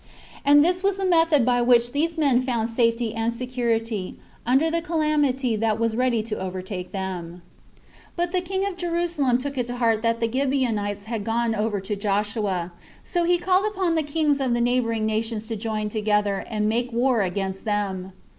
And this was the method by which these men found safety and security under the calamity that was ready to overtake them. 17. But the king of Jerusalem took it to heart that the Gibeonites had gone over to Joshua; so he called upon the kings of the neighboring nations to join together, and make war against them.